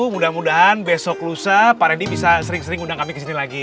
mudah mudahan besok lusa pak rendy bisa sering sering undang kami kesini lagi